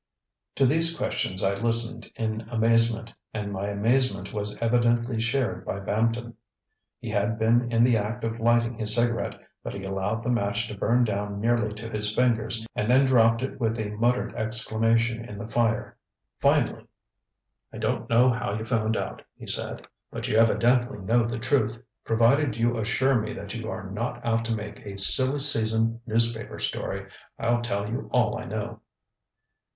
ŌĆØ To these questions I listened in amazement, and my amazement was evidently shared by Bampton. He had been in the act of lighting his cigarette, but he allowed the match to burn down nearly to his fingers and then dropped it with a muttered exclamation in the fire. Finally: ŌĆ£I don't know how you found out, ŌĆØ he said, ŌĆ£but you evidently know the truth. Provided you assure me that you are not out to make a silly season newspaper story, I'll tell you all I know.